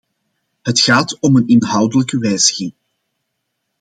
Het gaat om een inhoudelijke wijziging.